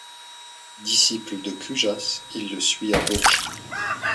Disciple de Cujas, il le suit à Bourges.